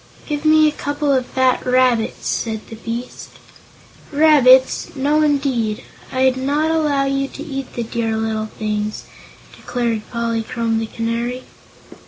"Give me a couple of fat rabbits," said the beast. "Rabbits! No, indeed. I'd not allow you to eat the dear little things," declared Polychrome the Canary.